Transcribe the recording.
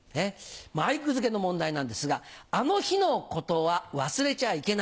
前句付けの問題なんですが「あの日の事は忘れちゃいけない」